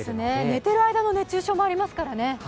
寝ている間の熱中症もありますからね。